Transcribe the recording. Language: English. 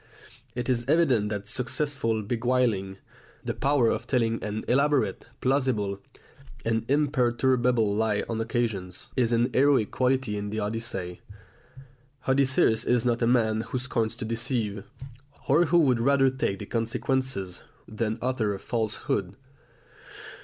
It is evident that successful beguiling, the power of telling an elaborate, plausible, and imperturbable lie on occasions, is an heroic quality in the Odyssey. Odysseus is not a man who scorns to deceive, or who would rather take the consequences than utter a falsehood.